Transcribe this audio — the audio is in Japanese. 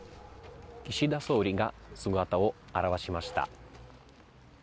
岸田総理が姿を現しました。